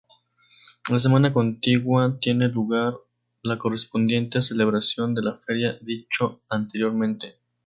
La semana contigua tiene lugar la correspondiente celebración de la feria, dicho anteriormente.